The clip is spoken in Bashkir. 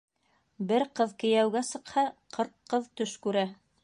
Бер ҡыҙ кейәүгә сыҡһа, ҡырҡ ҡыҙ төш күрә.